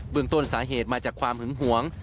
เมืองต้นสาเหตุมาจากความหึงหวง